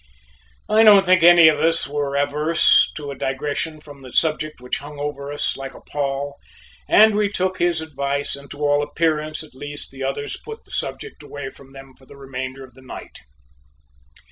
I don't think any of us were averse to a digression from the subject which hung over us like a pall and we took his advice and to all appearance, at least, the others put the subject away from them for the remainder of the night.